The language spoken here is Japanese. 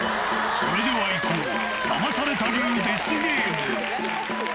それではいこう、ダマされた流デスゲーム。